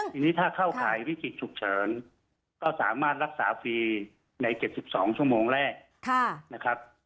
ทีนี้ถ้าเข้าข่ายวิกฤตฉุกเฉินก็สามารถรักษาฟรีใน๗๒ชั่วโมงแรกนะครับ